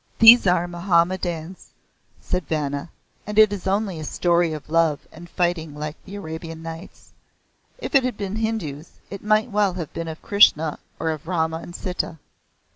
"These are Mahomedans," said Vanna, "and it is only a story of love and fighting like the Arabian Nights. If they had been Hindus, it might well have been of Krishna or of Rama and Sita.